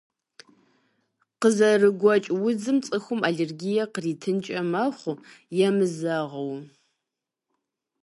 КъызэрыгуэкӀ удзым цӀыхум аллергие къритынкӀэ мэхъу, емызэгъыу.